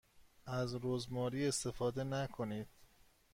از رزماری استفاده نکنید.